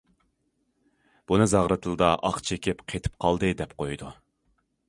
بۇنى زاغرا تىلدا« ئاق چېكىپ قېتىپ قالدى» دەپ قويىدۇ.